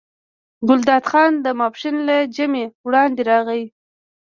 ګلداد خان د ماسپښین له جمعې وړاندې راغی.